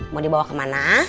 mau dibawa kemana